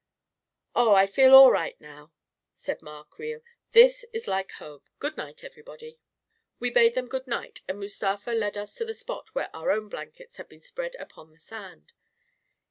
" Oh, I feel all right, now !" said Ma Creel. " This is like home I Good night, everybody I " We bade them good night, and Mustafa led us to the spot where our own blankets had been spread upon the sand.